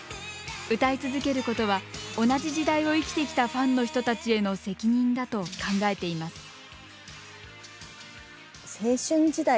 歌い続けることは同じ時代を生きてきたファンの人たちへの責任だと考えています。